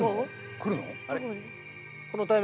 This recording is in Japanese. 来るの？